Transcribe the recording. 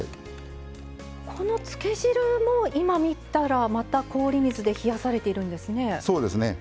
この、つけ汁も今見たらまた氷水で冷やされているんですね。